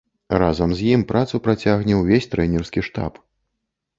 Разам з ім працу працягне ўвесь трэнерскі штаб.